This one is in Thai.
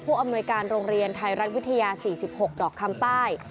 อำนวยการโรงเรียนไทยรัฐวิทยา๔๖ดอกคำใต้